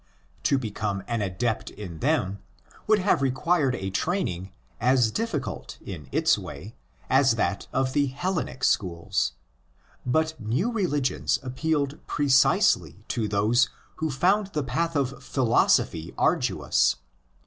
To become an adept in them would have required a training as difficult in its way as that of the Hellenic schools. But new religions appealed precisely to those who found the path of philosophy arduous.